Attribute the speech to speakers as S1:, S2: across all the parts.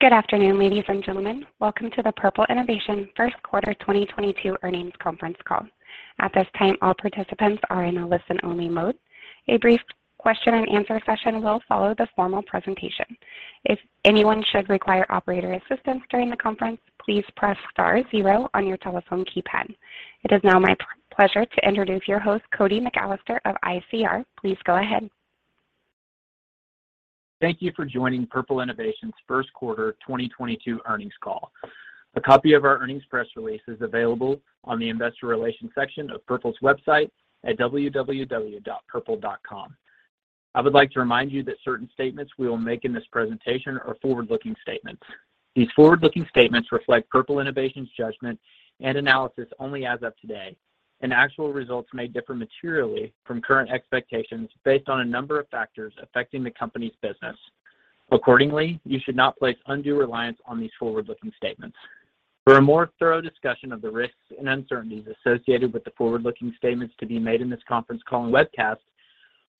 S1: Good afternoon, ladies and gentlemen. Welcome to the Purple Innovation first quarter 2022 earnings conference call. At this time, all participants are in a listen-only mode. A brief question and answer session will follow the formal presentation. If anyone should require operator assistance during the conference, please press star zero on your telephone keypad. It is now my pleasure to introduce your host, Cody McAlester of ICR. Please go ahead.
S2: Thank you for joining Purple Innovation's first quarter 2022 earnings call. A copy of our earnings press release is available on the investor relations section of Purple's website at www.purple.com. I would like to remind you that certain statements we will make in this presentation are forward-looking statements. These forward-looking statements reflect Purple Innovation's judgment and analysis only as of today, and actual results may differ materially from current expectations based on a number of factors affecting the company's business. Accordingly, you should not place undue reliance on these forward-looking statements. For a more thorough discussion of the risks and uncertainties associated with the forward-looking statements to be made in this conference call and webcast,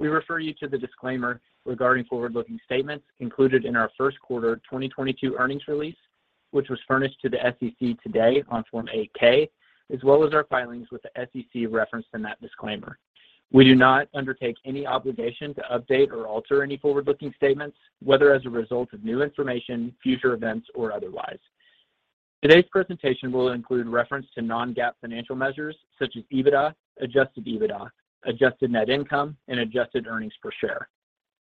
S2: we refer you to the disclaimer regarding forward-looking statements included in our first quarter 2022 earnings release, which was furnished to the SEC today on Form 8-K, as well as our filings with the SEC referenced in that disclaimer. We do not undertake any obligation to update or alter any forward-looking statements, whether as a result of new information, future events, or otherwise. Today's presentation will include reference to non-GAAP financial measures such as EBITDA, adjusted EBITDA, adjusted net income, and adjusted earnings per share.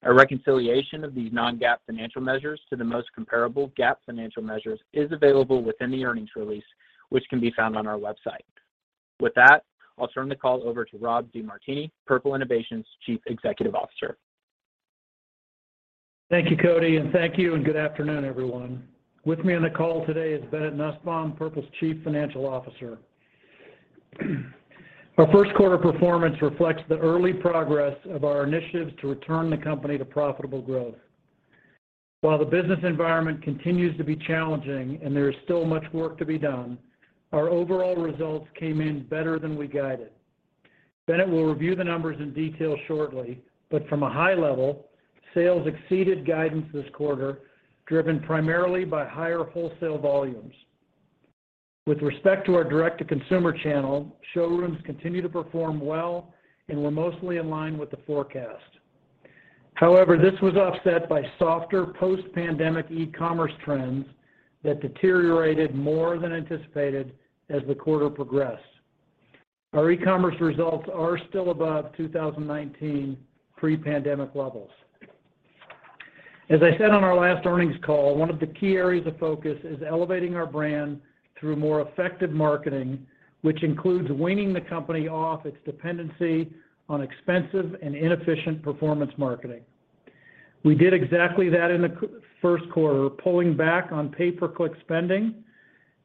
S2: A reconciliation of these non-GAAP financial measures to the most comparable GAAP financial measures is available within the earnings release, which can be found on our website. With that, I'll turn the call over to Rob DeMartini, Purple Innovation's Chief Executive Officer.
S3: Thank you, Cody, and thank you, and good afternoon, everyone. With me on the call today is Bennett Nussbaum, Purple's Chief Financial Officer. Our first quarter performance reflects the early progress of our initiatives to return the company to profitable growth. While the business environment continues to be challenging and there is still much work to be done, our overall results came in better than we guided. Bennett will review the numbers in detail shortly, but from a high level, sales exceeded guidance this quarter, driven primarily by higher wholesale volumes. With respect to our direct-to-consumer channel, showrooms continued to perform well and were mostly in line with the forecast. However, this was offset by softer post-pandemic e-commerce trends that deteriorated more than anticipated as the quarter progressed. Our e-commerce results are still above 2019 pre-pandemic levels. As I said on our last earnings call, one of the key areas of focus is elevating our brand through more effective marketing, which includes weaning the company off its dependency on expensive and inefficient performance marketing. We did exactly that in the first quarter, pulling back on pay-per-click spending.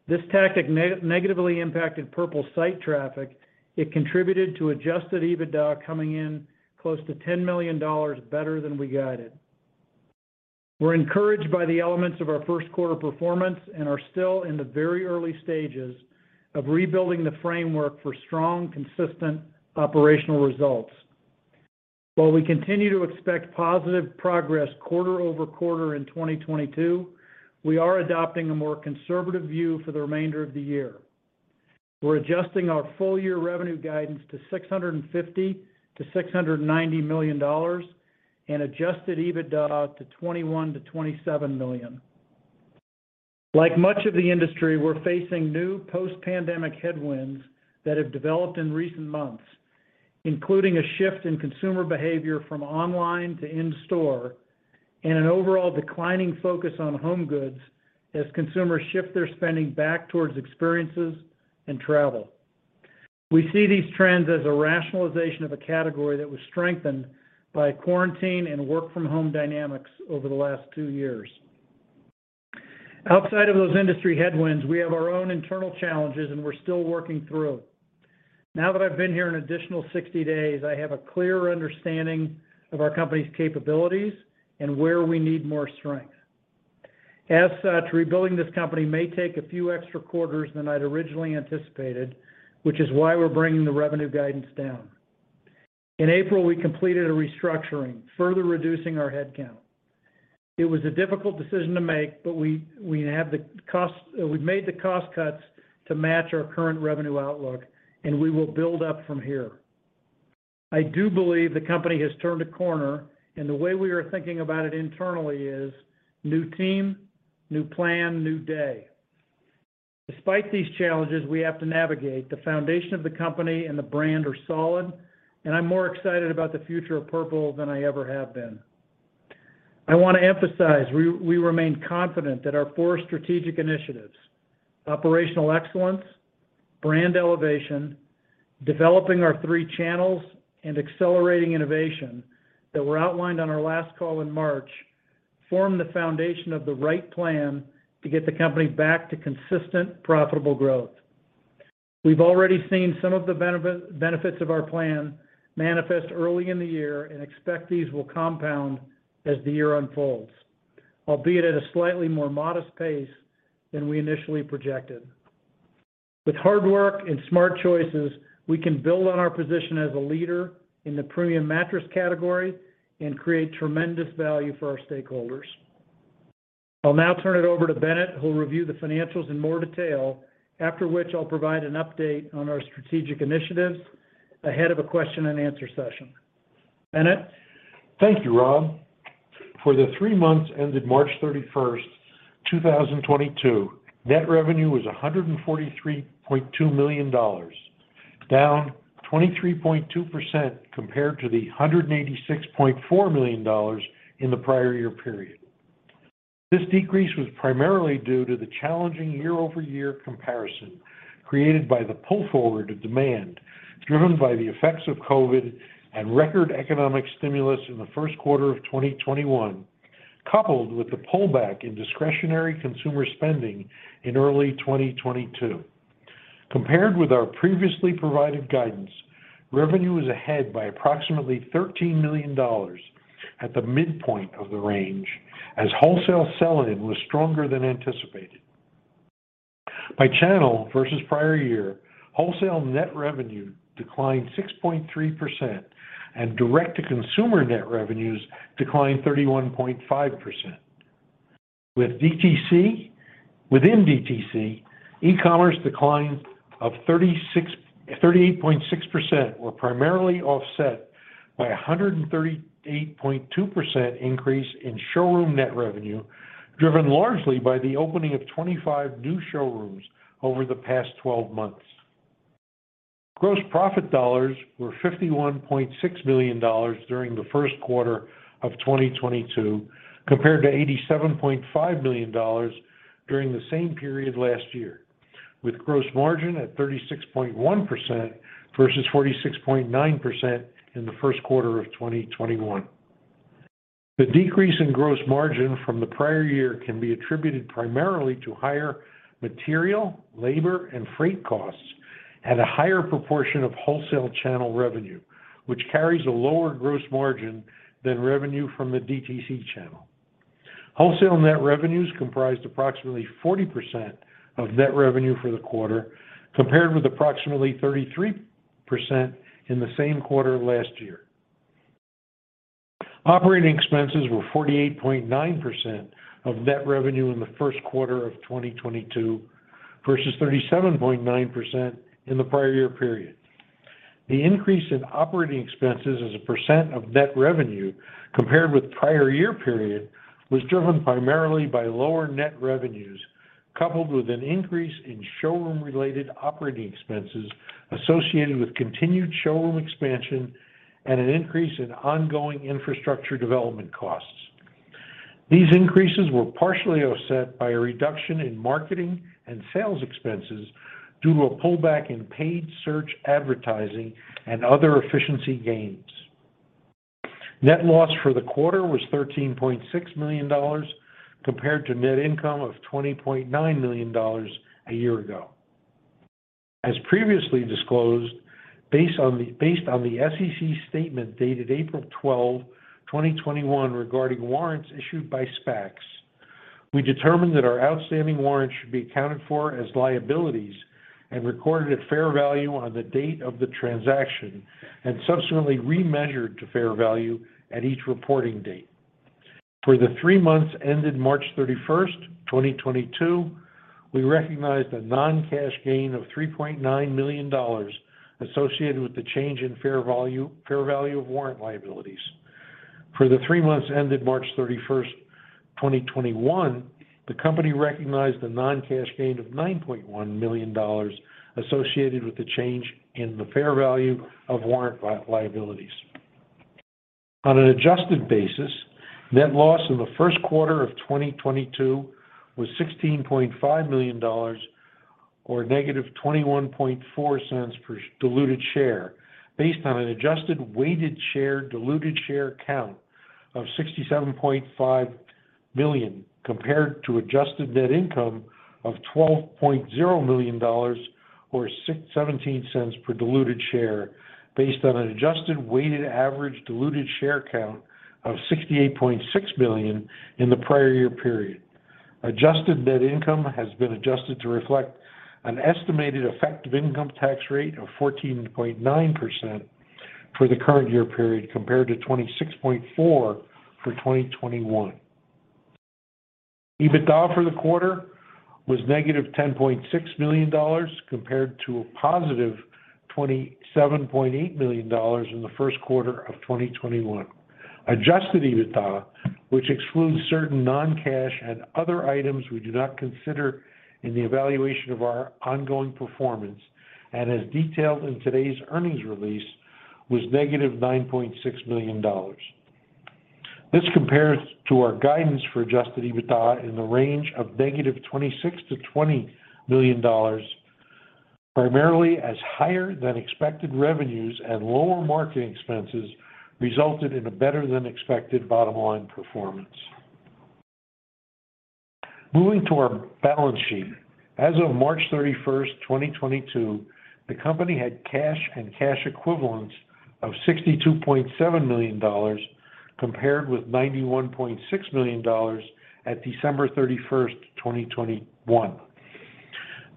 S3: This tactic negatively impacted Purple site traffic. It contributed to adjusted EBITDA coming in close to $10 million better than we guided. We're encouraged by the elements of our first quarter performance and are still in the very early stages of rebuilding the framework for strong, consistent operational results. While we continue to expect positive progress quarter-over-quarter in 2022, we are adopting a more conservative view for the remainder of the year. We're adjusting our full year revenue guidance to $650 million-$690 million and adjusted EBITDA to $21 million-$27 million. Like much of the industry, we're facing new post-pandemic headwinds that have developed in recent months, including a shift in consumer behavior from online to in-store and an overall declining focus on home goods as consumers shift their spending back towards experiences and travel. We see these trends as a rationalization of a category that was strengthened by quarantine and work from home dynamics over the last two years. Outside of those industry headwinds, we have our own internal challenges and we're still working through. Now that I've been here an additional 60 days, I have a clearer understanding of our company's capabilities and where we need more strength. As such, rebuilding this company may take a few extra quarters than I'd originally anticipated, which is why we're bringing the revenue guidance down. In April, we completed a restructuring, further reducing our headcount. It was a difficult decision to make, but we've made the cost cuts to match our current revenue outlook, and we will build up from here. I do believe the company has turned a corner, and the way we are thinking about it internally is new team, new plan, new day. Despite these challenges we have to navigate, the foundation of the company and the brand are solid, and I'm more excited about the future of Purple than I ever have been. I wanna emphasize, we remain confident that our four strategic initiatives, operational excellence, brand elevation, developing our three channels, and accelerating innovation that were outlined on our last call in March, form the foundation of the right plan to get the company back to consistent, profitable growth. We've already seen some of the benefits of our plan manifest early in the year and expect these will compound as the year unfolds, albeit at a slightly more modest pace than we initially projected. With hard work and smart choices, we can build on our position as a leader in the premium mattress category and create tremendous value for our stakeholders. I'll now turn it over to Bennett, who will review the financials in more detail, after which I'll provide an update on our strategic initiatives ahead of a question and answer session. Bennett.
S4: Thank you, Rob. For the three months ended March 31st, 2022, net revenue was $143.2 million, down 23.2% compared to the $186.4 million in the prior year period. This decrease was primarily due to the challenging year-over-year comparison created by the pull-forward of demand, driven by the effects of COVID and record economic stimulus in the first quarter of 2021, coupled with the pullback in discretionary consumer spending in early 2022. Compared with our previously provided guidance, revenue is ahead by approximately $13 million at the midpoint of the range as wholesale sell-in was stronger than anticipated. By channel versus prior year, wholesale net revenue declined 6.3% and direct-to-consumer net revenues declined 31.5%. Within DTC, e-commerce decline of 38.6% were primarily offset by a 138.2% increase in showroom net revenue, driven largely by the opening of 25 new showrooms over the past twelve months. Gross profit dollars were $51.6 million during the first quarter of 2022, compared to $87.5 million during the same period last year, with gross margin at 36.1% versus 46.9% in the first quarter of 2021. The decrease in gross margin from the prior year can be attributed primarily to higher material, labor, and freight costs at a higher proportion of wholesale channel revenue, which carries a lower gross margin than revenue from the DTC channel. Wholesale net revenues comprised approximately 40% of net revenue for the quarter, compared with approximately 33% in the same quarter last year. Operating expenses were 48.9% of net revenue in the first quarter of 2022 versus 37.9% in the prior year period. The increase in operating expenses as a percent of net revenue compared with prior year period was driven primarily by lower net revenues, coupled with an increase in showroom-related operating expenses associated with continued showroom expansion and an increase in ongoing infrastructure development costs. These increases were partially offset by a reduction in marketing and sales expenses due to a pullback in paid search advertising and other efficiency gains. Net loss for the quarter was $13.6 million compared to net income of $20.9 million a year ago. As previously disclosed, based on the SEC statement dated April 12th, 2021, regarding warrants issued by SPACs, we determined that our outstanding warrants should be accounted for as liabilities and recorded at fair value on the date of the transaction and subsequently remeasured to fair value at each reporting date. For the three months ended March 31st, 2022, we recognized a non-cash gain of $3.9 million associated with the change in fair value of warrant liabilities. For the three months ended March 31st, 2021, the company recognized a non-cash gain of $9.1 million associated with the change in the fair value of warrant liabilities. On an adjusted basis, net loss in the first quarter of 2022 was $16.5 million or -$0.214 per diluted share based on an adjusted weighted-average diluted share count of 67.5 million, compared to adjusted net income of $12.0 million or $0.16 per diluted share based on an adjusted weighted-average diluted share count of 68.6 million in the prior year period. Adjusted net income has been adjusted to reflect an estimated effective income tax rate of 14.9% for the current year period, compared to 26.4% for 2021. EBITDA for the quarter was -$10.6 million compared to a +$27.8 million in the first quarter of 2021. Adjusted EBITDA, which excludes certain non-cash and other items we do not consider in the evaluation of our ongoing performance and as detailed in today's earnings release, was -$9.6 million. This compares to our guidance for adjusted EBITDA in the range of -$26 million to -$20 million, primarily as higher than expected revenues and lower marketing expenses resulted in a better than expected bottom line performance. Moving to our balance sheet. As of March 31s, 2022, the company had cash and cash equivalents of $62.7 million. Compared with $91.6 million at December 31s, 2021.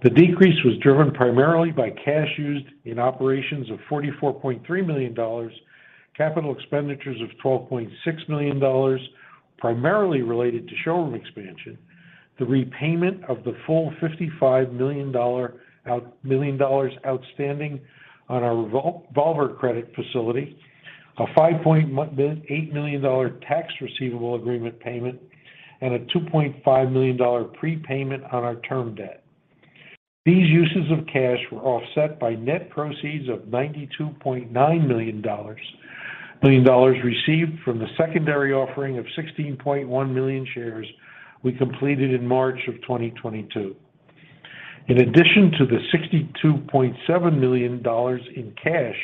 S4: The decrease was driven primarily by cash used in operations of $44.3 million, capital expenditures of $12.6 million, primarily related to showroom expansion, the repayment of the full $55 million outstanding on our revolver credit facility, a $5.8 million tax receivable agreement payment, and a $2.5 million prepayment on our term debt. These uses of cash were offset by net proceeds of $92.9 million received from the secondary offering of 16.1 million shares we completed in March of 2022. In addition to the $62.7 million in cash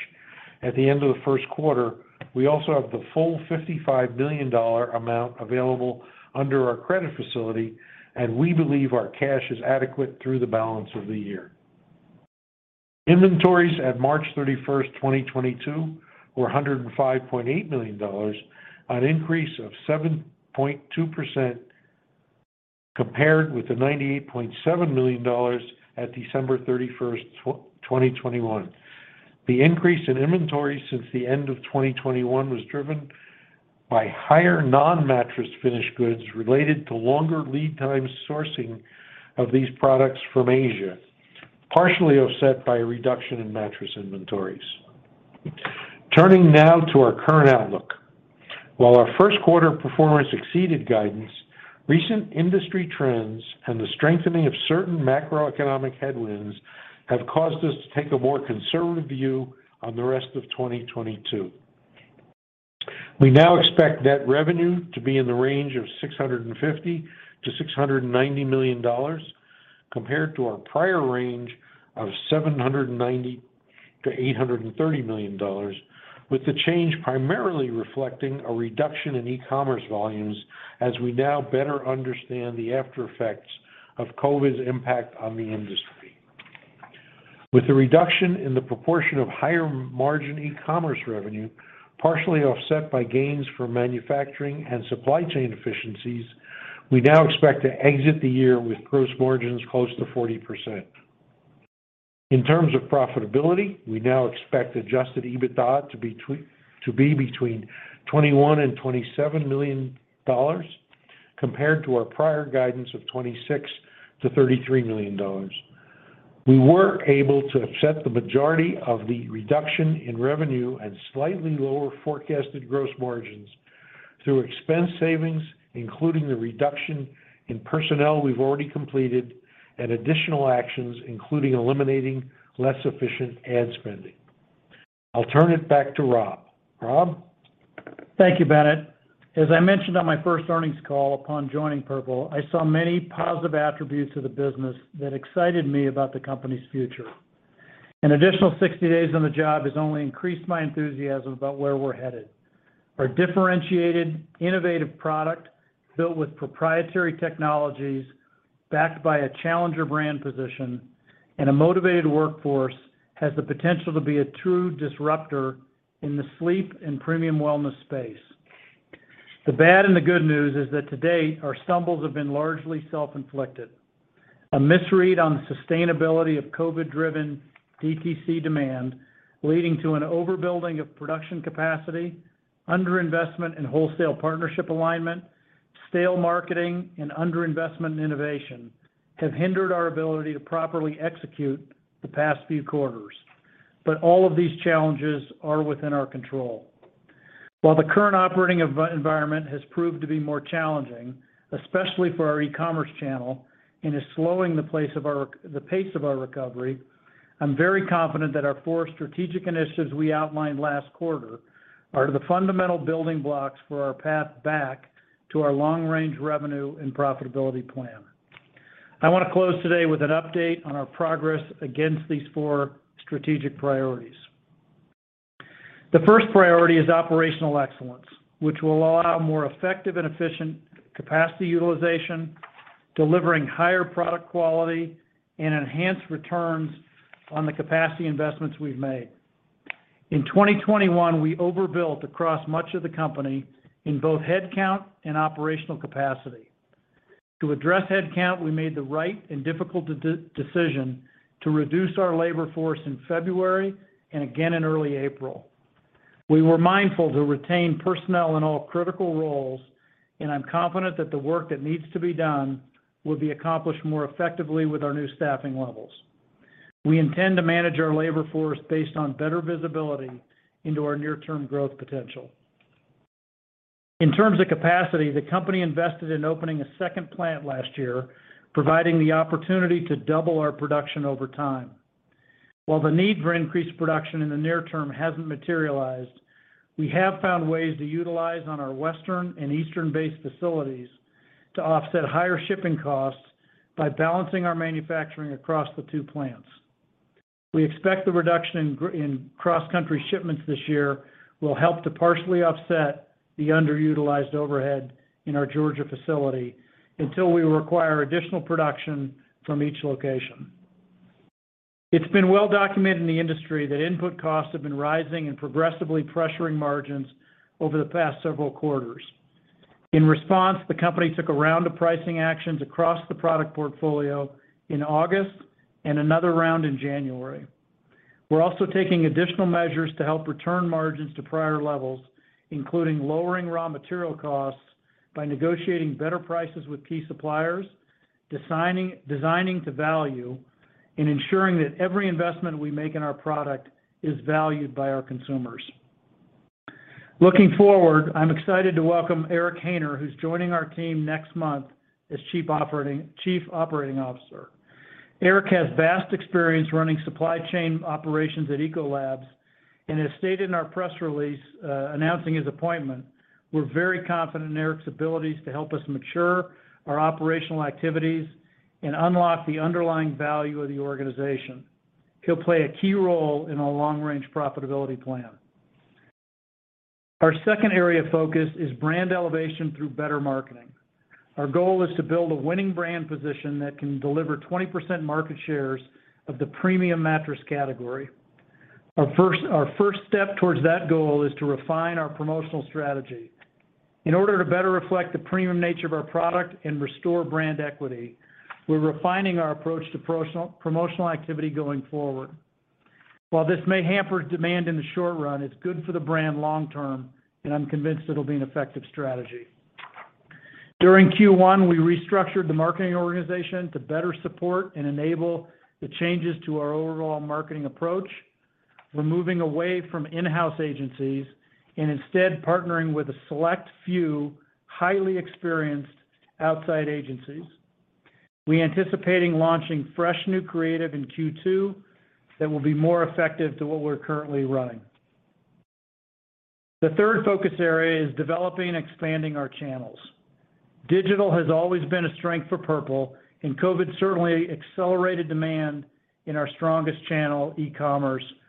S4: at the end of the first quarter, we also have the full $55 million available under our credit facility, and we believe our cash is adequate through the balance of the year. Inventories at March 31st, 2022 were $105.8 million, an increase of 7.2% compared with the $98.7 million at December 31st, 2021. The increase in inventory since the end of 2021 was driven by higher non-mattress finished goods related to longer lead time sourcing of these products from Asia, partially offset by a reduction in mattress inventories. Turning now to our current outlook. While our first quarter performance exceeded guidance, recent industry trends and the strengthening of certain macroeconomic headwinds have caused us to take a more conservative view on the rest of 2022. We now expect net revenue to be in the range of $650 million-$690 million compared to our prior range of $790 million-$830 million, with the change primarily reflecting a reduction in e-commerce volumes as we now better understand the after effects of COVID's impact on the industry. With the reduction in the proportion of higher margin e-commerce revenue, partially offset by gains from manufacturing and supply chain efficiencies, we now expect to exit the year with gross margins close to 40%. In terms of profitability, we now expect adjusted EBITDA to be between $21 million-$27 million, compared to our prior guidance of $26 million-$33 million. We were able to offset the majority of the reduction in revenue and slightly lower forecasted gross margins through expense savings, including the reduction in personnel we've already completed and additional actions, including eliminating less efficient ad spending. I'll turn it back to Rob. Rob?
S3: Thank you, Bennett. As I mentioned on my first earnings call upon joining Purple, I saw many positive attributes of the business that excited me about the company's future. An additional 60 days on the job has only increased my enthusiasm about where we're headed. Our differentiated, innovative product, built with proprietary technologies, backed by a challenger brand position, and a motivated workforce, has the potential to be a true disruptor in the sleep and premium wellness space. The bad and the good news is that to date, our stumbles have been largely self-inflicted. A misread on the sustainability of COVID-driven DTC demand, leading to an overbuilding of production capacity, under-investment in wholesale partnership alignment, stale marketing, and under-investment in innovation have hindered our ability to properly execute the past few quarters. All of these challenges are within our control. While the current operating environment has proved to be more challenging, especially for our e-commerce channel, and is slowing the pace of our recovery, I'm very confident that our four strategic initiatives we outlined last quarter are the fundamental building blocks for our path back to our long-range revenue and profitability plan. I wanna close today with an update on our progress against these four strategic priorities. The first priority is operational excellence, which will allow more effective and efficient capacity utilization, delivering higher product quality, and enhanced returns on the capacity investments we've made. In 2021, we overbuilt across much of the company in both head count and operational capacity. To address head count, we made the right and difficult decision to reduce our labor force in February and again in early April. We were mindful to retain personnel in all critical roles, and I'm confident that the work that needs to be done will be accomplished more effectively with our new staffing levels. We intend to manage our labor force based on better visibility into our near-term growth potential. In terms of capacity, the company invested in opening a second plant last year, providing the opportunity to double our production over time. While the need for increased production in the near term hasn't materialized, we have found ways to utilize our Western- and Eastern-based facilities to offset higher shipping costs by balancing our manufacturing across the two plants. We expect the reduction in cross-country shipments this year will help to partially offset the underutilized overhead in our Georgia facility until we require additional production from each location. It's been well documented in the industry that input costs have been rising and progressively pressuring margins over the past several quarters. In response, the company took a round of pricing actions across the product portfolio in August and another round in January. We're also taking additional measures to help return margins to prior levels, including lowering raw material costs by negotiating better prices with key suppliers, designing to value, and ensuring that every investment we make in our product is valued by our consumers. Looking forward, I'm excited to welcome Eric Haynor, who's joining our team next month as Chief Operating Officer. Eric has vast experience running supply chain operations at Ecolab and as stated in our press release, announcing his appointment, we're very confident in Eric's abilities to help us mature our operational activities and unlock the underlying value of the organization. He'll play a key role in our long-range profitability plan. Our second area of focus is brand elevation through better marketing. Our goal is to build a winning brand position that can deliver 20% market shares of the premium mattress category. Our first step towards that goal is to refine our promotional strategy. In order to better reflect the premium nature of our product and restore brand equity, we're refining our approach to promotional activity going forward. While this may hamper demand in the short run, it's good for the brand long-term, and I'm convinced it'll be an effective strategy. During Q1, we restructured the marketing organization to better support and enable the changes to our overall marketing approach. We're moving away from in-house agencies and instead partnering with a select few highly experienced outside agencies. We're anticipating launching fresh new creative in Q2 that will be more effective to what we're currently running. The third focus area is developing and expanding our channels. Digital has always been a strength for Purple, and COVID certainly accelerated demand in our strongest channel, e-commerce, where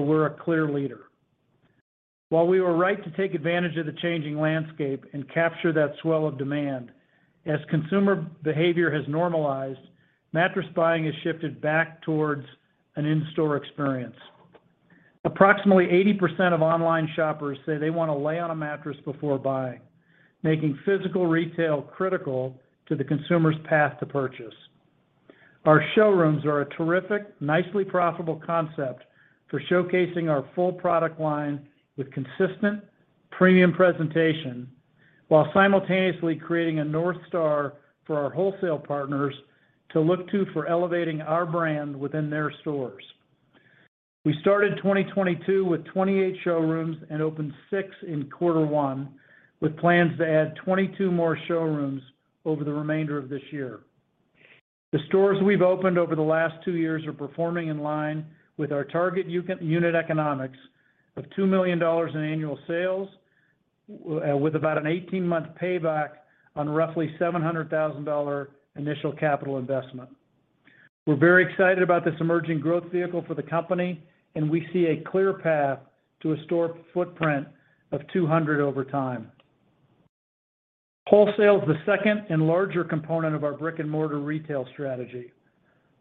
S3: we're a clear leader. While we were right to take advantage of the changing landscape and capture that swell of demand, as consumer behavior has normalized, mattress buying has shifted back towards an in-store experience. Approximately 80% of online shoppers say they wanna lay on a mattress before buying, making physical retail critical to the consumer's path to purchase. Our showrooms are a terrific, nicely profitable concept for showcasing our full product line with consistent premium presentation, while simultaneously creating a north star for our wholesale partners to look to for elevating our brand within their stores. We started 2022 with 28 showrooms and opened six in quarter one, with plans to add 22 more showrooms over the remainder of this year. The stores we've opened over the last two years are performing in line with our target unit economics of $2 million in annual sales with about an 18-month payback on roughly $700,000 initial capital investment. We're very excited about this emerging growth vehicle for the company, and we see a clear path to a store footprint of 200 over time. Wholesale is the second and larger component of our brick-and-mortar retail strategy.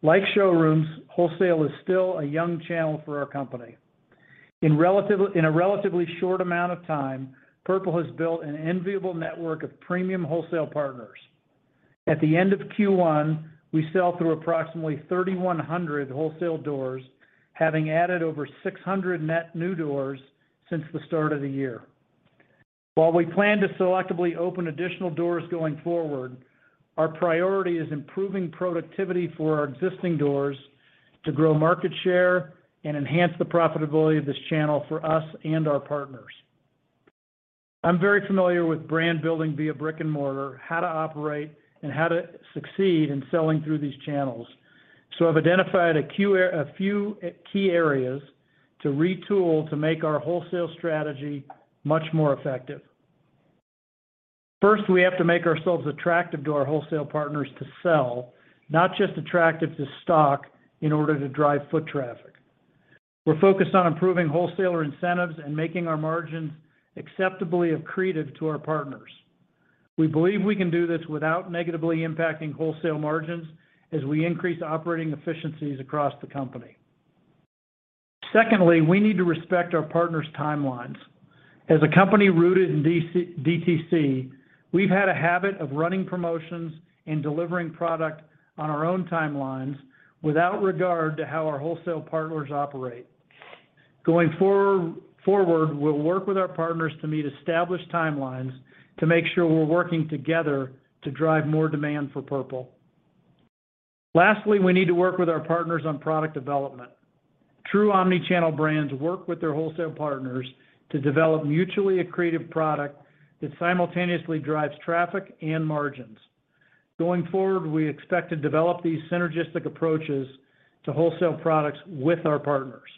S3: Like showrooms, wholesale is still a young channel for our company. In a relatively short amount of time, Purple has built an enviable network of premium wholesale partners. At the end of Q1, we sell through approximately 3,100 wholesale doors, having added over 600 net new doors since the start of the year. While we plan to selectively open additional doors going forward, our priority is improving productivity for our existing doors to grow market share and enhance the profitability of this channel for us and our partners. I'm very familiar with brand building via brick and mortar, how to operate, and how to succeed in selling through these channels. I've identified a few key areas to retool to make our wholesale strategy much more effective. First, we have to make ourselves attractive to our wholesale partners to sell, not just attractive to stock in order to drive foot traffic. We're focused on improving wholesaler incentives and making our margins acceptably accretive to our partners. We believe we can do this without negatively impacting wholesale margins as we increase operating efficiencies across the company. Secondly, we need to respect our partners' timelines. As a company rooted in DTC, we've had a habit of running promotions and delivering product on our own timelines without regard to how our wholesale partners operate. Going forward, we'll work with our partners to meet established timelines to make sure we're working together to drive more demand for Purple. Lastly, we need to work with our partners on product development. True omni-channel brands work with their wholesale partners to develop mutually accretive product that simultaneously drives traffic and margins. Going forward, we expect to develop these synergistic approaches to wholesale products with our partners.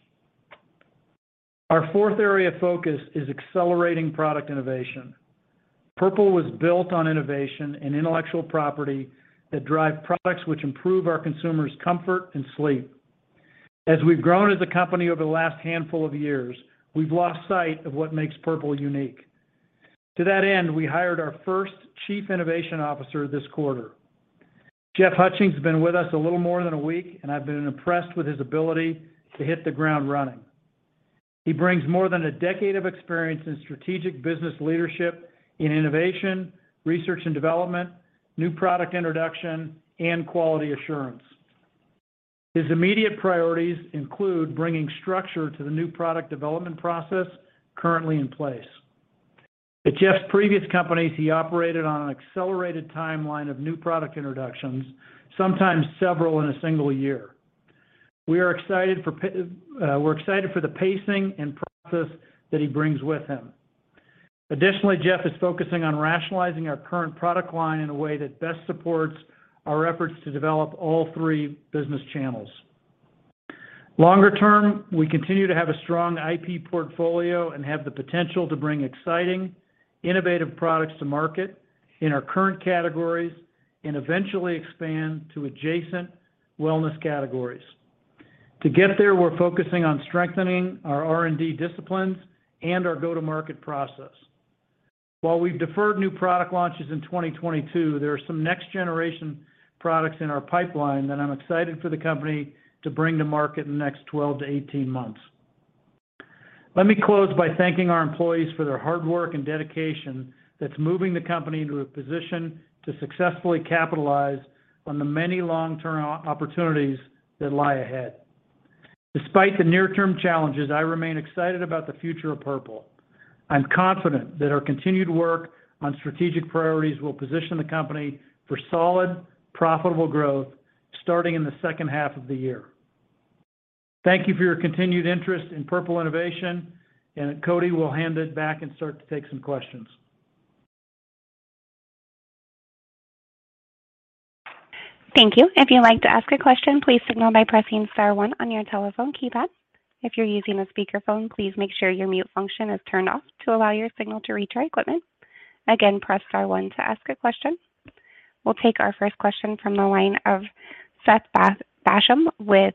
S3: Our fourth area of focus is accelerating product innovation. Purple was built on innovation and intellectual property that drive products which improve our consumers' comfort and sleep. As we've grown as a company over the last handful of years, we've lost sight of what makes Purple unique. To that end, we hired our first Chief Innovation Officer this quarter. Jeff Hutchings has been with us a little more than a week, and I've been impressed with his ability to hit the ground running. He brings more than a decade of experience in strategic business leadership in innovation, research and development, new product introduction, and quality assurance. His immediate priorities include bringing structure to the new product development process currently in place. At Jeff's previous companies, he operated on an accelerated timeline of new product introductions, sometimes several in a single year. We're excited for the pacing and process that he brings with him. Additionally, Jeff is focusing on rationalizing our current product line in a way that best supports our efforts to develop all three business channels. Longer term, we continue to have a strong IP portfolio and have the potential to bring exciting, innovative products to market in our current categories and eventually expand to adjacent wellness categories. To get there, we're focusing on strengthening our R&D disciplines and our go-to-market process. While we've deferred new product launches in 2022, there are some next-generation products in our pipeline that I'm excited for the company to bring to market in the next 12 to 18 months. Let me close by thanking our employees for their hard work and dedication that's moving the company into a position to successfully capitalize on the many long-term opportunities that lie ahead. Despite the near-term challenges, I remain excited about the future of Purple. I'm confident that our continued work on strategic priorities will position the company for solid, profitable growth starting in the second half of the year. Thank you for your continued interest in Purple Innovation. Cody, we'll hand it back and start to take some questions.
S1: Thank you. If you'd like to ask a question, please signal by pressing star one on your telephone keypad. If you're using a speakerphone, please make sure your mute function is turned off to allow your signal to reach our equipment. Again, press star one to ask a question. We'll take our first question from the line of Seth Basham with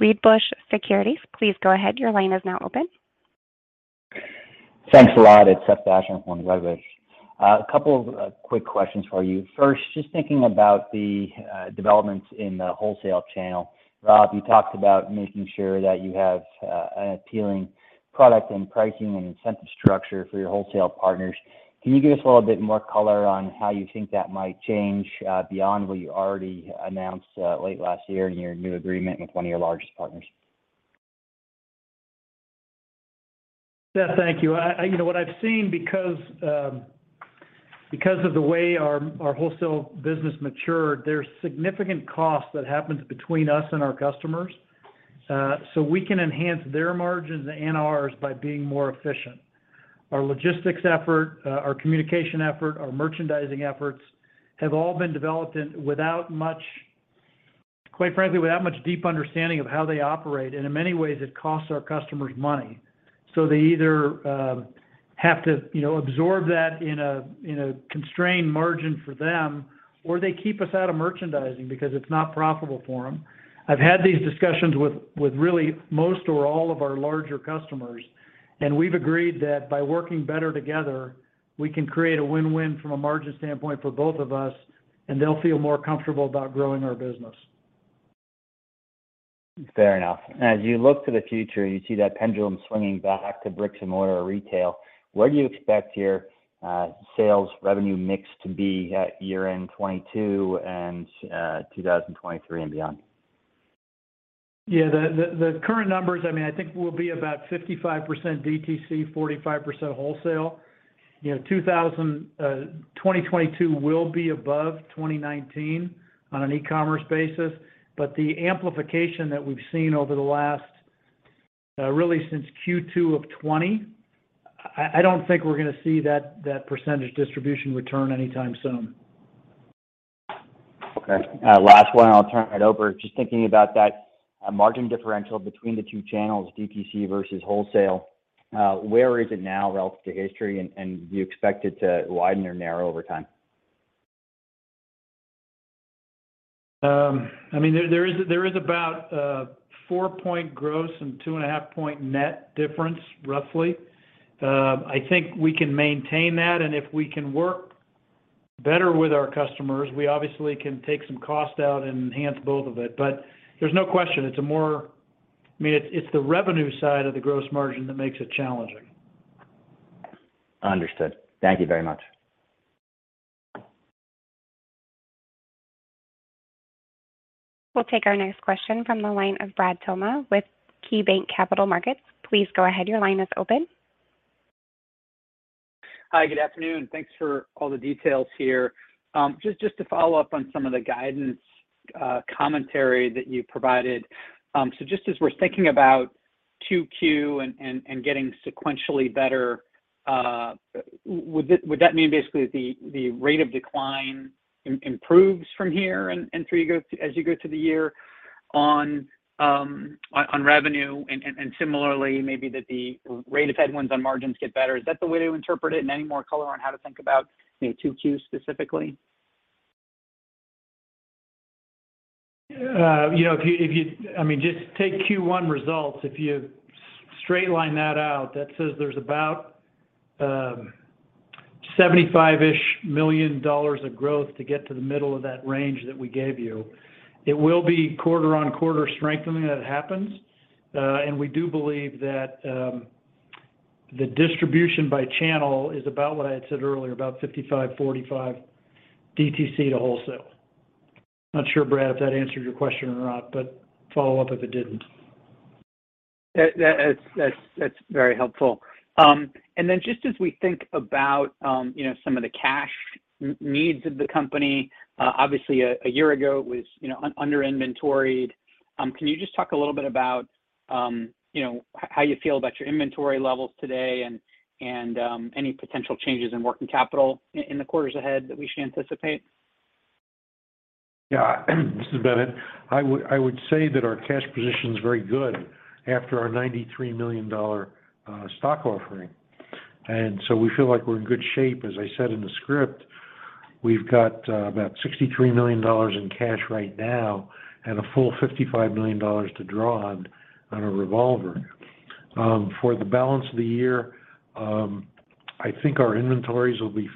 S1: Wedbush Securities. Please go ahead, your line is now open.
S5: Thanks a lot. It's Seth Basham from Wedbush. A couple of quick questions for you. First, just thinking about the developments in the wholesale channel. Rob, you talked about making sure that you have an appealing product and pricing and incentive structure for your wholesale partners. Can you give us a little bit more color on how you think that might change, beyond what you already announced, late last year in your new agreement with one of your largest partners?
S3: Seth, thank you. You know, what I've seen, because of the way our wholesale business matured, there's significant costs that happens between us and our customers, so we can enhance their margins and ours by being more efficient. Our logistics effort, our communication effort, our merchandising efforts have all been developed and, quite frankly, without much deep understanding of how they operate, and in many ways, it costs our customers money. They either have to, you know, absorb that in a constrained margin for them, or they keep us out of merchandising because it's not profitable for them. I've had these discussions with really most or all of our larger customers, and we've agreed that by working better together, we can create a win-win from a margin standpoint for both of us, and they'll feel more comfortable about growing our business.
S5: Fair enough. As you look to the future, you see that pendulum swinging back to bricks and mortar retail. Where do you expect your sales revenue mix to be at year-end 2022 and 2023 and beyond?
S3: Yeah. The current numbers, I mean, I think will be about 55% DTC, 45% wholesale. You know, 2022 will be above 2019 on an e-commerce basis. The amplification that we've seen really since Q2 of 2020, I don't think we're gonna see that percentage distribution return anytime soon.
S5: Okay. Last one, and I'll turn it over. Just thinking about that, margin differential between the two channels, DTC versus wholesale, where is it now relative to history, and do you expect it to widen or narrow over time?
S3: I mean, there is about a four-point gross and 2.5-point net difference, roughly. I think we can maintain that, and if we can work better with our customers, we obviously can take some cost out and enhance both of it. There's no question, I mean, it's the revenue side of the gross margin that makes it challenging.
S5: Understood. Thank you very much.
S1: We'll take our next question from the line of Brad Thomas with KeyBanc Capital Markets. Please go ahead, your line is open.
S6: Hi, good afternoon. Thanks for all the details here. Just to follow up on some of the guidance, commentary that you provided. So just as we're thinking about 2Q and getting sequentially better, would that mean basically that the rate of decline improves from here and as you go through the year on revenue and similarly, maybe that the rate of headwinds on margins get better? Is that the way to interpret it? Any more color on how to think about, you know, 2Q specifically?
S3: You know, if you—I mean, just take Q1 results. If you straight line that out, that says there's about $75-ish million of growth to get to the middle of that range that we gave you. It will be quarter-on-quarter strengthening that happens. We do believe that the distribution by channel is about what I had said earlier, about 55-45 DTC to wholesale. Not sure, Brad, if that answered your question or not, but follow up if it didn't?
S6: That's very helpful. Just as we think about, you know, some of the cash needs of the company, obviously a year ago it was, you know, under inventoried. Can you just talk a little bit about, you know, how you feel about your inventory levels today and any potential changes in working capital in the quarters ahead that we should anticipate?
S4: Yeah. This is Bennett. I would say that our cash position is very good after our $93 million stock offering. We feel like we're in good shape. As I said in the script, we've got about $63 million in cash right now and a full $55 million to draw on a revolver. For the balance of the year, I think our inventories will be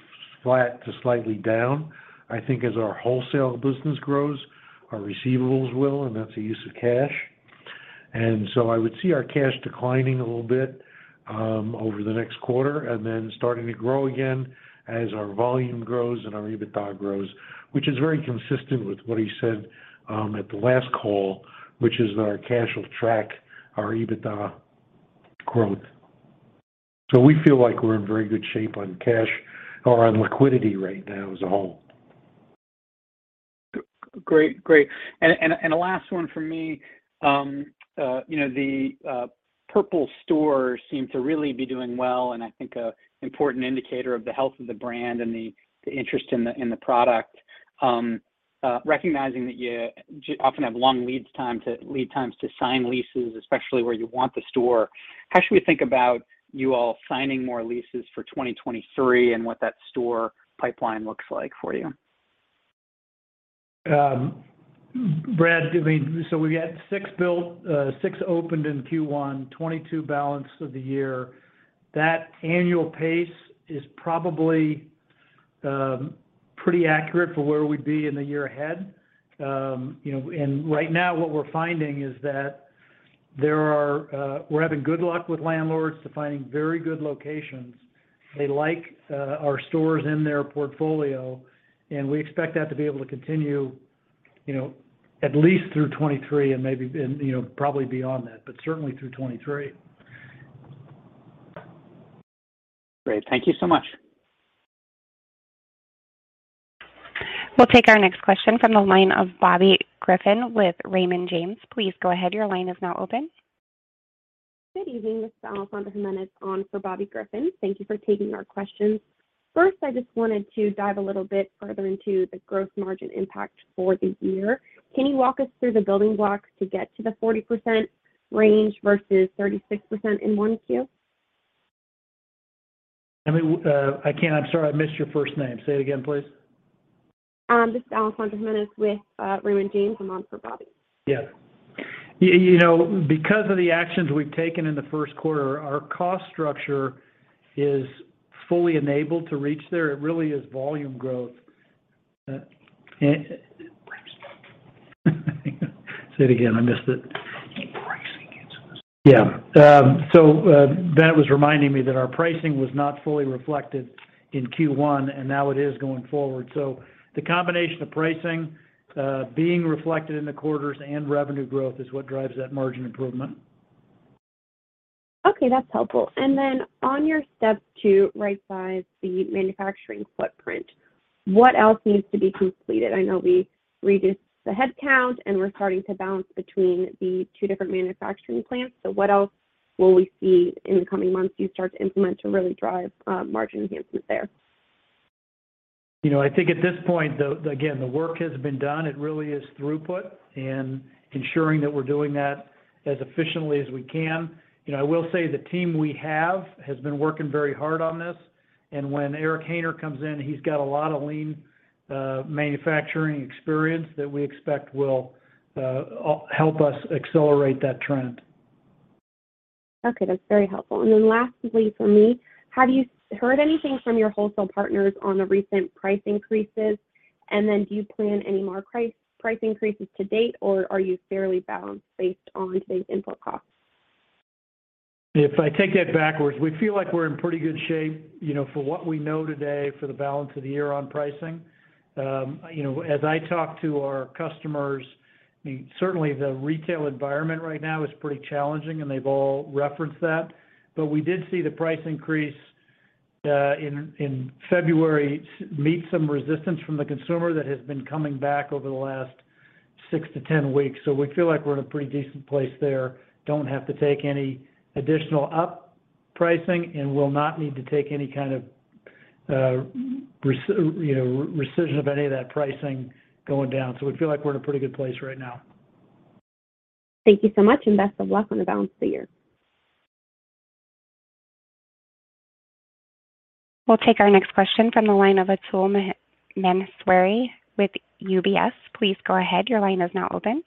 S4: flat to slightly down. I think as our wholesale business grows, our receivables will, and that's a use of cash. I would see our cash declining a little bit over the next quarter and then starting to grow again as our volume grows and our EBITDA grows, which is very consistent with what he said at the last call, which is that our cash will track our EBITDA growth. We feel like we're in very good shape on cash or on liquidity right now as a whole.
S6: Great. The last one from me, you know, the Purple stores seem to really be doing well, and I think an important indicator of the health of the brand and the interest in the product. Recognizing that you often have long lead times to sign leases, especially where you want the store, how should we think about you all signing more leases for 2023 and what that store pipeline looks like for you?
S3: Brad, I mean, we got six opened in Q1 2022 balance of the year. That annual pace is probably pretty accurate for where we'd be in the year ahead. You know, right now what we're finding is we're having good luck with landlords in finding very good locations. They like our stores in their portfolio, and we expect that to be able to continue, you know, at least through 2023 and maybe, you know, probably beyond that, but certainly through 2023.
S6: Great. Thank you so much.
S1: We'll take our next question from the line of Bobby Griffin with Raymond James. Please go ahead. Your line is now open.
S7: Good evening. This is Alessandra Jimenez on for Bobby Griffin. Thank you for taking our questions. First, I just wanted to dive a little bit further into the gross margin impact for the year. Can you walk us through the building blocks to get to the 40% range versus 36% in 1Q?
S3: I mean, I can't. I'm sorry, I missed your first name. Say it again, please.
S7: This is Alessandra Jimenez with Raymond James. I'm on for Bobby.
S3: Yeah. You know, because of the actions we've taken in the first quarter, our cost structure is fully enabled to reach there. It really is volume growth. Say it again. I missed it.
S4: Pricing gets in the way.
S3: Bennett was reminding me that our pricing was not fully reflected in Q1, and now it is going forward. The combination of pricing being reflected in the quarters and revenue growth is what drives that margin improvement.
S7: Okay. That's helpful. Then on your step to right-size the manufacturing footprint, what else needs to be completed? I know we reduced the headcount and we're starting to balance between the two different manufacturing plants. What else will we see in the coming months you start to implement to really drive margin enhancement there?
S3: You know, I think at this point, the, again, the work has been done. It really is throughput and ensuring that we're doing that as efficiently as we can. You know, I will say the team we have has been working very hard on this. When Eric Haynor comes in, he's got a lot of lean manufacturing experience that we expect will help us accelerate that trend.
S7: Okay. That's very helpful. Lastly for me, have you heard anything from your wholesale partners on the recent price increases? Do you plan any more price increases to date, or are you fairly balanced based on today's input costs?
S3: If I take that backwards, we feel like we're in pretty good shape, you know, for what we know today for the balance of the year on pricing. You know, as I talk to our customers, I mean, certainly the retail environment right now is pretty challenging, and they've all referenced that. We did see the price increase in February met some resistance from the consumer that has been coming back over the last six-10 weeks. We feel like we're in a pretty decent place there. Don't have to take any additional up pricing and will not need to take any kind of, you know, rescission of any of that pricing going down. We feel like we're in a pretty good place right now.
S7: Thank you so much, and best of luck on the balance of the year.
S1: We'll take our next question from the line of Atul Maheswari with UBS. Please go ahead. Your line is now open.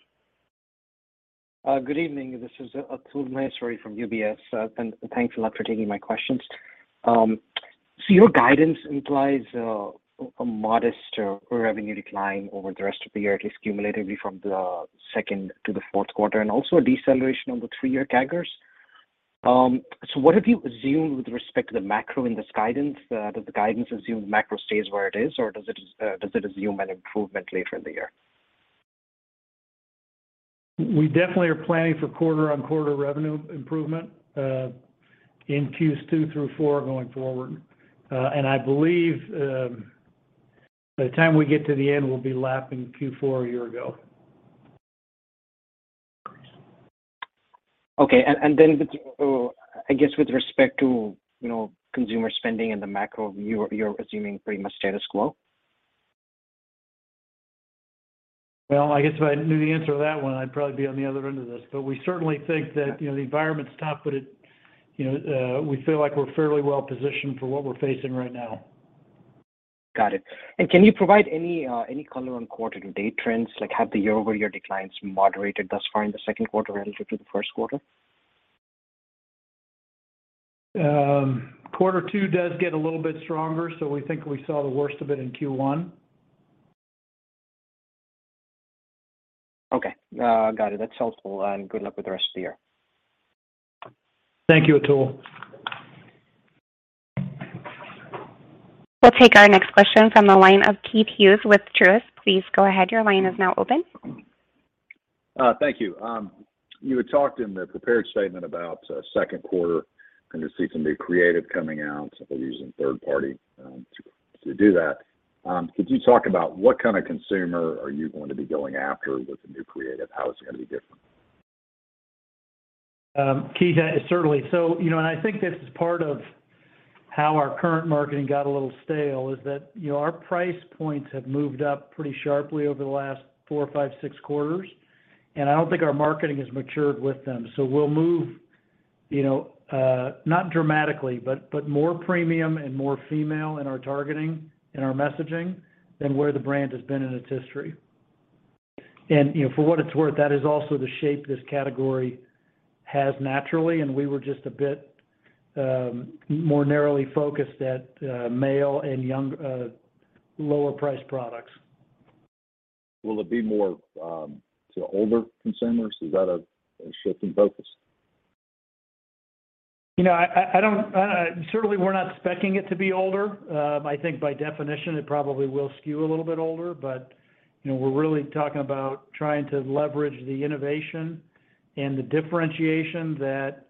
S8: Good evening. This is Atul Maheswari from UBS. Thanks a lot for taking my questions. Your guidance implies a modest revenue decline over the rest of the year, at least cumulatively from the second to the fourth quarter, and also a deceleration on the three-year CAGRs. What have you assumed with respect to the macro in this guidance? Does the guidance assume the macro stays where it is, or does it assume an improvement later in the year?
S3: We definitely are planning for quarter-on-quarter revenue improvement in Q2 through Q4 going forward. I believe by the time we get to the end, we'll be lapping Q4 a year ago.
S8: Okay. Then with, I guess with respect to, you know, consumer spending and the macro, you're assuming pretty much status quo?
S3: Well, I guess if I knew the answer to that one, I'd probably be on the other end of this. We certainly think that, you know, the environment's tough, but it, you know, we feel like we're fairly well positioned for what we're facing right now.
S8: Got it. Can you provide any color on quarter to date trends? Like, have the year-over-year declines moderated thus far in the second quarter relative to the first quarter?
S3: Quarter two does get a little bit stronger, so we think we saw the worst of it in Q1.
S8: Okay. Got it. That's helpful, and good luck with the rest of the year.
S3: Thank you, Atul.
S1: We'll take our next question from the line of Keith Hughes with Truist. Please go ahead. Your line is now open.
S9: Thank you. You had talked in the prepared statement about second quarter going to see some new creative coming out, simply using third party to do that. Could you talk about what kind of consumer are you going to be going after with the new creative? How is it gonna be different?
S3: Keith, certainly. I think this is part of how our current marketing got a little stale, is that, you know, our price points have moved up pretty sharply over the last four or five, six quarters, and I don't think our marketing has matured with them. We'll move, you know, not dramatically, but more premium and more female in our targeting, in our messaging than where the brand has been in its history. For what it's worth, that is also the shape this category has naturally, and we were just a bit more narrowly focused at male and young, lower priced products.
S9: Will it be more, to older consumers? Is that a shift in focus?
S3: You know, certainly we're not expecting it to be older. I think by definition it probably will skew a little bit older, but you know, we're really talking about trying to leverage the innovation and the differentiation that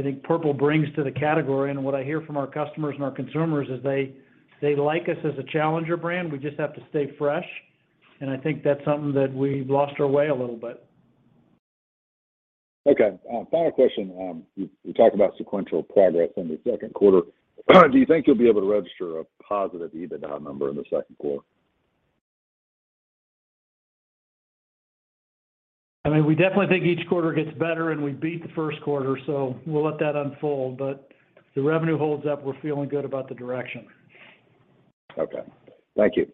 S3: I think Purple brings to the category. What I hear from our customers and our consumers is they like us as a challenger brand. We just have to stay fresh, and I think that's something that we've lost our way a little bit.
S9: Okay. Final question. You talked about sequential progress in the second quarter. Do you think you'll be able to register a positive EBITDA number in the second quarter?
S3: I mean, we definitely think each quarter gets better, and we beat the first quarter, so we'll let that unfold. If the revenue holds up, we're feeling good about the direction.
S9: Okay. Thank you.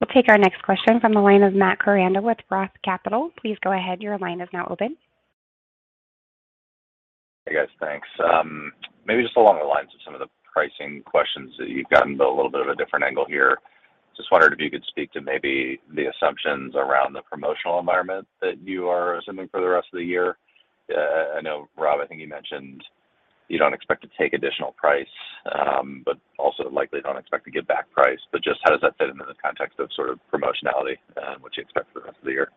S1: We'll take our next question from the line of Matt Koranda with ROTH Capital Partners. Please go ahead. Your line is now open.
S10: Hey, guys. Thanks. Maybe just along the lines of some of the pricing questions that you've gotten, but a little bit of a different angle here. Just wondered if you could speak to maybe the assumptions around the promotional environment that you are assuming for the rest of the year. I know, Rob, I think you mentioned you don't expect to take additional price, but also likely don't expect to give back price. Just how does that fit into the context of sort of promotionality and what you expect for the rest of the year?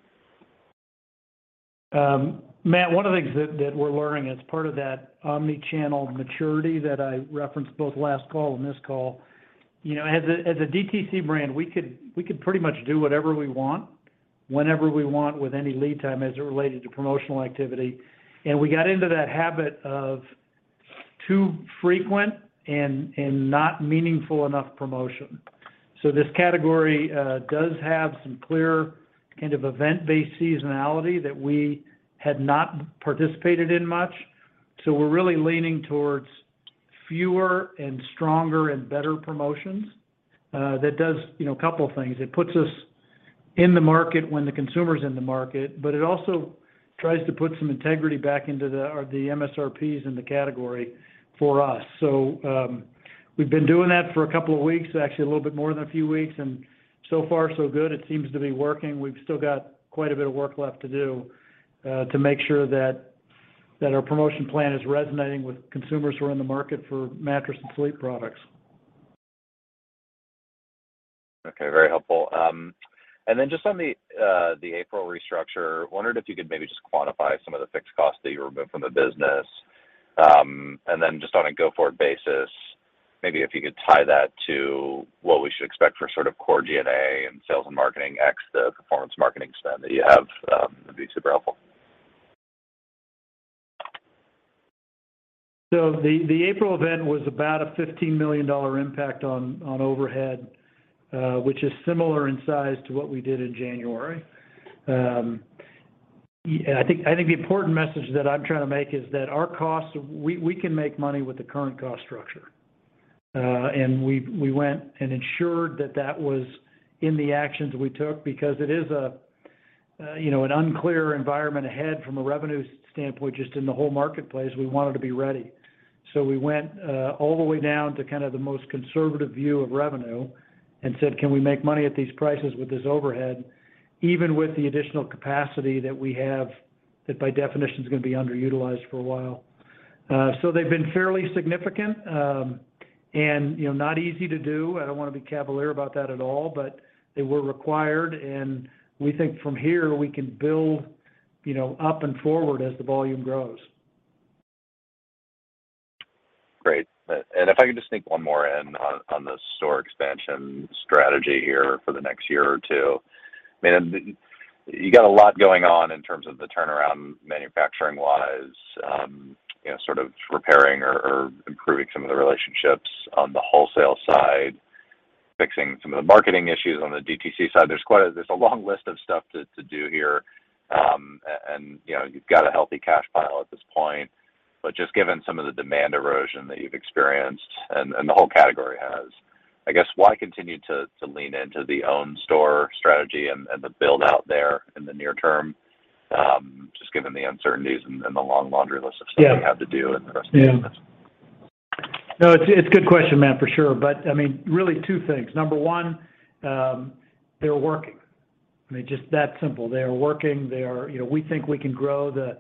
S3: Matt, one of the things that we're learning as part of that omni-channel maturity that I referenced both last call and this call, you know, as a DTC brand, we could pretty much do whatever we want, whenever we want with any lead time as it related to promotional activity. We got into that habit of too frequent and not meaningful enough promotion. This category does have some clear kind of event-based seasonality that we had not participated in much. We're really leaning towards fewer and stronger and better promotions. That does, you know, a couple things. It puts us in the market when the consumer's in the market, but it also tries to put some integrity back into the MSRPs in the category for us. We've been doing that for a couple of weeks, actually a little bit more than a few weeks, and so far so good. It seems to be working. We've still got quite a bit of work left to do, to make sure that our promotion plan is resonating with consumers who are in the market for mattress and sleep products.
S10: Okay. Very helpful. Just on the April restructure, wondered if you could maybe just quantify some of the fixed costs that you removed from the business. Just on a go-forward basis, maybe if you could tie that to what we should expect for sort of core G&A and sales and marketing ex the performance marketing spend that you have, would be super helpful.
S3: The April event was about a $15 million impact on overhead, which is similar in size to what we did in January. Yeah, I think the important message that I'm trying to make is that our costs, we can make money with the current cost structure. We went and ensured that that was in the actions we took because it is, you know, an unclear environment ahead from a revenue standpoint, just in the whole marketplace, we wanted to be ready. We went all the way down to kind of the most conservative view of revenue and said, "Can we make money at these prices with this overhead, even with the additional capacity that we have, that by definition is gonna be underutilized for a while?" They've been fairly significant, and you know, not easy to do. I don't wanna be cavalier about that at all, but they were required, and we think from here we can build, you know, up and forward as the volume grows.
S10: Great. If I could just sneak one more in on the store expansion strategy here for the next year or two. I mean, you got a lot going on in terms of the turnaround manufacturing-wise, you know, sort of repairing or improving some of the relationships on the wholesale side, fixing some of the marketing issues on the DTC side. There's a long list of stuff to do here. You know, you've got a healthy cash pile at this point. Just given some of the demand erosion that you've experienced and the whole category has, I guess, why continue to lean into the own store strategy and the build out there in the near term, just given the uncertainties and the long laundry list of stuff.
S3: Yeah.
S10: You have to do in the rest of the business?
S3: Yeah. No, it's a good question, Matt, for sure. I mean, really two things. Number one, they're working. I mean, just that simple. They are working. You know, we think we can grow the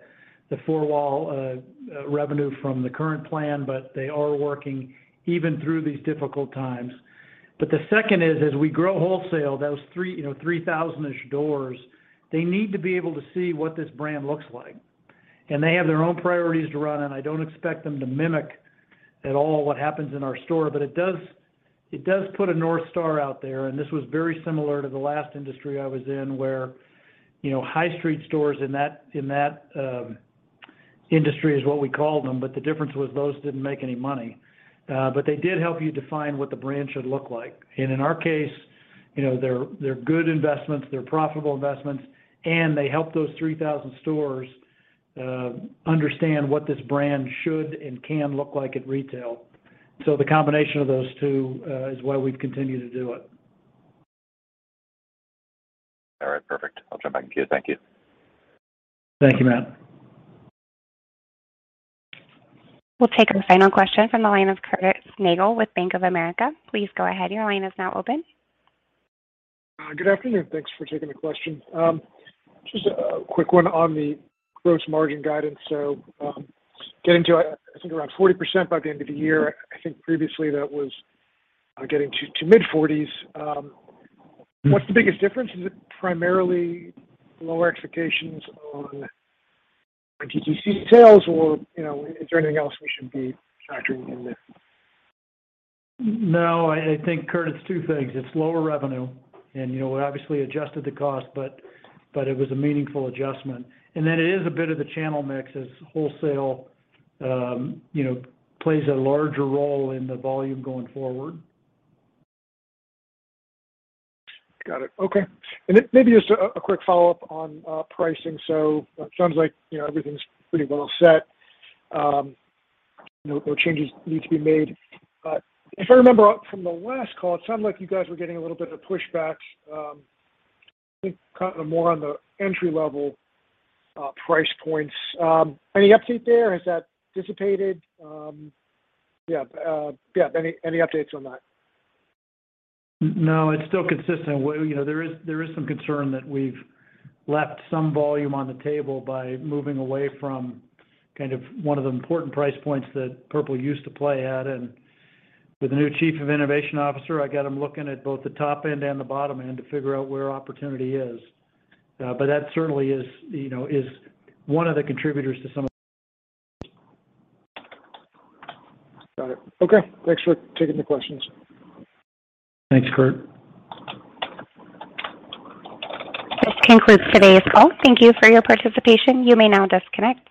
S3: four wall revenue from the current plan, but they are working even through these difficult times. The second is, as we grow wholesale, those 3,000-ish doors, they need to be able to see what this brand looks like. They have their own priorities to run, and I don't expect them to mimic at all what happens in our store. It does put a North Star out there, and this was very similar to the last industry I was in where, you know, high street stores in that industry is what we called them, but the difference was those didn't make any money. They did help you define what the brand should look like. In our case, you know, they're good investments, they're profitable investments, and they help those 3,000 stores understand what this brand should and can look like at retail. The combination of those two is why we've continued to do it.
S10: All right, perfect. I'll jump back in queue. Thank you.
S3: Thank you, Matt.
S1: We'll take our final question from the line of Curtis Nagle with Bank of America. Please go ahead, your line is now open.
S11: Good afternoon. Thanks for taking the question. Just a quick one on the gross margin guidance. Getting to, I think around 40% by the end of the year. I think previously that was getting to mid-40s%.
S3: Mm.
S11: What's the biggest difference? Is it primarily lower expectations on DTC sales or, you know, is there anything else we should be factoring in there?
S3: No, I think, Curtis, it's two things. It's lower revenue and, you know, we obviously adjusted the cost, but it was a meaningful adjustment. It is a bit of the channel mix as wholesale, you know, plays a larger role in the volume going forward.
S11: Got it. Okay. Maybe just a quick follow-up on pricing. So it sounds like, you know, everything's pretty well set. No changes need to be made. But if I remember from the last call, it sounded like you guys were getting a little bit of pushback, I think kinda more on the entry-level price points. Any update there? Has that dissipated? Yeah, any updates on that?
S3: No, it's still consistent. Well, you know, there is some concern that we've left some volume on the table by moving away from kind of one of the important price points that Purple used to play at. With the new Chief Innovation Officer, I got him looking at both the top end and the bottom end to figure out where opportunity is. That certainly is, you know, one of the contributors to some of the.
S11: Got it. Okay. Thanks for taking the questions.
S3: Thanks, Curtis.
S1: This concludes today's call. Thank you for your participation. You may now disconnect.